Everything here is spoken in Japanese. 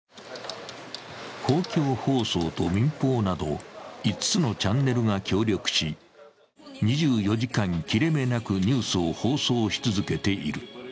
公共放送と民放など５つのチャンネルが協力し、２４時間切れ目なくニュースを放送し続けている。